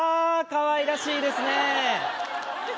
かわいらしいですねえ